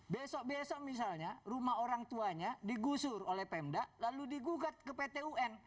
besok besok misalnya rumah orang tuanya digusur oleh pemda lalu digugat ke pt un